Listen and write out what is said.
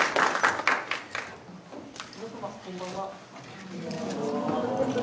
皆様、こんばんは。